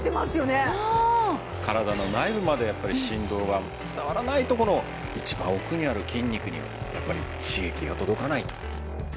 体の内部まで振動が伝わらないとこの一番奥にある筋肉にはやっぱり刺激が届かないと。